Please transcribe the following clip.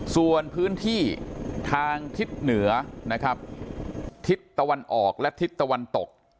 ส่วนพื้นที่ทางทิศเหนือนะครับทิศตะวันออกและทิศตะวันตก